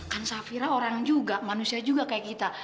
kan safira orang juga manusia juga kayak kita